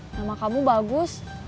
nama kamu bagus